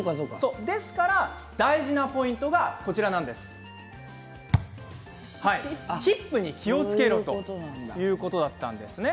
ですから大事なポイントがヒップに気をつけろ！ということだったんですね。